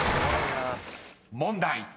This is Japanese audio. ［問題］